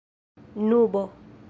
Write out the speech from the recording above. nubo